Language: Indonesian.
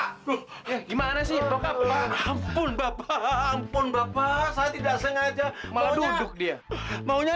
aduh gimana sih bapak ampun bapak ampun bapak saya tidak sengaja malah duduk dia maunya